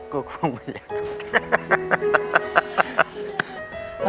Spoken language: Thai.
ก็คงไม่อยากกอด